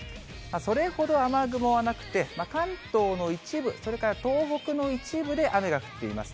それほど雨雲はなくて、関東の一部、それから東北の一部で雨が降っています。